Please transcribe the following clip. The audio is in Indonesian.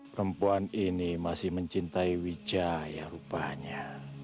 perempuan ini masih mencintai wijaya rupanya